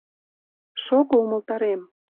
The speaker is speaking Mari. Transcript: — Шого, умылтарем...